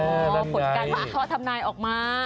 อ๋อผลการท่อทำนายออกมา